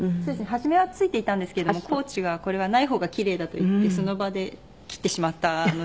初めは付いていたんですけどもコーチが「これはない方が奇麗だ」と言ってその場で切ってしまったので。